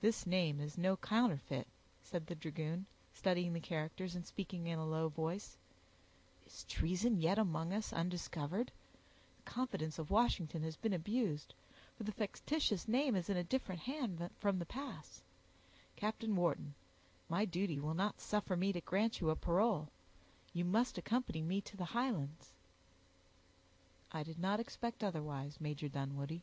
"This name is no counterfeit," said the dragoon, studying the characters, and speaking in a low voice; "is treason yet among us undiscovered? The confidence of Washington has been abused, for the fictitious name is in a different hand from the pass. Captain Wharton, my duty will not suffer me to grant you a parole; you must accompany me to the Highlands." "I did not expect otherwise, Major Dunwoodie."